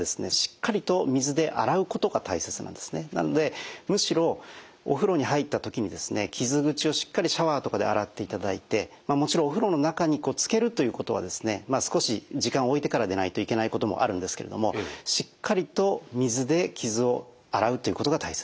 なのでなのでむしろお風呂に入った時に傷口をしっかりシャワーとかで洗っていただいてもちろんお風呂の中につけるということは少し時間を置いてからでないといけないこともあるんですけれどもしっかりと水で傷を洗うということが大切。